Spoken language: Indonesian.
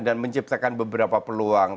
dan menciptakan beberapa peluang